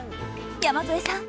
山添さん